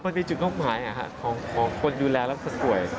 มันมีจุดมองหมายของคนดูแลและคนป่วย